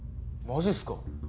マジすか？